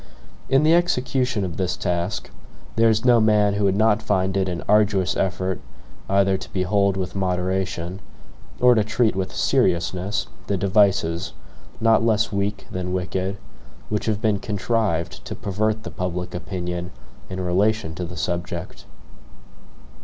In the execution of this task, there is no man who would not find it an arduous effort either to behold with moderation, or to treat with seriousness, the devices, not less weak than wicked, which have been contrived to pervert the public opinion in relation to the subject.